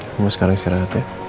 mama sekarang siang